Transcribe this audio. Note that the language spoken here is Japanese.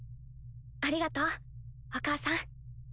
ありがとうお母さん。